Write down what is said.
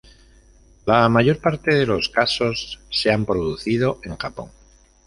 La mayor parte de los casos se han producido en Japón.